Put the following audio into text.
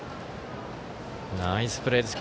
ナイスプレーです。